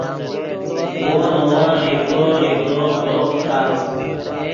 وو نے ون ریڤدو ریڤدو بروخ کافت